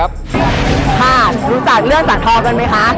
ค่ะรู้สักเรื่องศาลธอด์กันไหมคะ